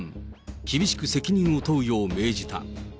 厳しく責任を問うよう命じた。